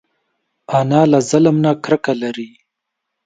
انا له ظلم نه کرکه لري